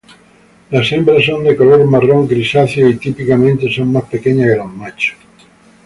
Las hembras son de color marrón-grisáceo y típicamente son más pequeñas que los machos.